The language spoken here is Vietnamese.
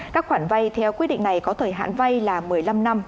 các khoản vay theo quyết định này có thời hạn vay là một mươi năm năm